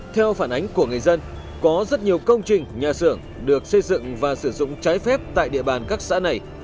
theo phản ánh của người dân có rất nhiều công trình nhà xưởng được xây dựng và sử dụng trái phép tại địa bàn các xã này